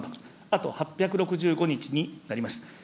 あと８６５日になります。